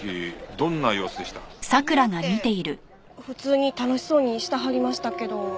どんなって普通に楽しそうにしてはりましたけど。